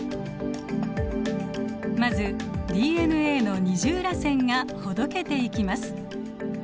まずＤＮＡの二重らせんがほどけていきます。